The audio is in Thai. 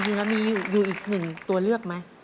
จริงแล้วมีอยู่อีกหนึ่งตัวเลือกไหม